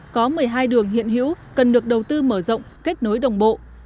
có một mươi hai đường hiện hữu cần được đầu tư mở rộng kết nối đồng bộ